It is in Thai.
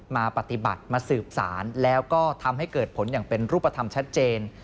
มาปฏิบัติมาสืบสารแล้วก็ทำให้เกิดผลอย่างเป็นรูปธรรมชัดเจน